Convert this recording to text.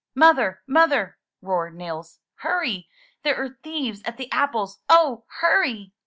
''Mother, Mother!" roared Nils. "Hurry! There are thieves at the apples ! Oh, hurry